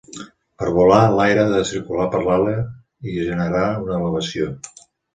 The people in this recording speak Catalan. Per volar, l'aire ha de circular per l'ala i generar una elevació.